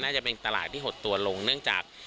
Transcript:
จะเป็นตลาดที่หดตัวลงเนื่องจาก